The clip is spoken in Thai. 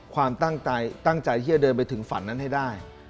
ความตั้งใจตั้งใจที่จะเดินไปถึงฝันนั้นให้ได้